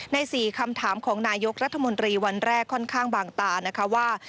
๔คำถามของนายกรัฐมนตรีวันแรกค่อนข้างบางตานะคะว่า